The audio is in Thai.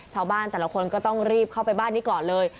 ชาวบ้านแต่ละคนก็ต้องรีบเข้าไปบ้านนี้ก่อนเลย